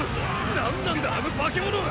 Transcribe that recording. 何なんだあの化け物は！